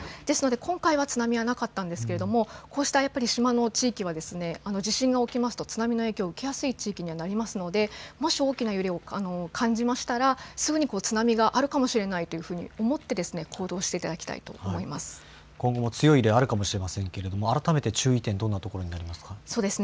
ですので、今回は津波はなかったんですけれども、こうした島の地域は、地震が起きますと、津波の影響受けやすい地域にはなりますので、もし大きな揺れを感じましたら、すぐに津波があるかもしれないと思って、行動していただきたいと今後も強い揺れ、あるかもしれませんけれども、改めて注意点、どんなところにありますか。